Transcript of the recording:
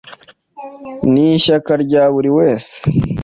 nishyaka bya buri wese.